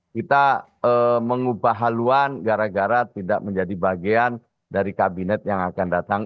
kita mengubah haluan gara gara tidak menjadi bagian dari kabinet yang akan datang